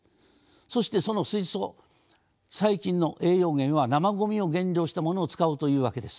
そしてその水素細菌の栄養源は生ごみを分解したものを使うというわけです。